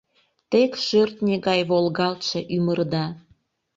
«Тек шӧртньӧ гай волгалтше ӱмырда